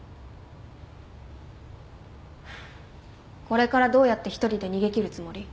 これからどうやって一人で逃げ切るつもり？